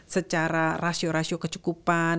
secara rasio rasio kecukupan